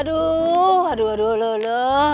aduh aduh aduh loh loh